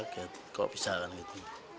kalau bisa kan gitu